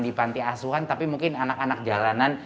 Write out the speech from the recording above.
di panti asuhan tapi mungkin anak anak jalanan